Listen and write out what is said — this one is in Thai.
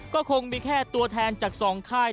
ก็คงมีแค่ตัวแทนจาก๒ค่าย